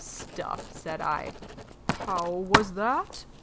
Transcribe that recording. "Stuff!" said I. "How was that?"